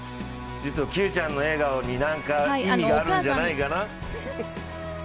Ｑちゃんの笑顔に意味があるんじゃないかな？